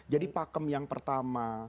jadi pakem yang pertama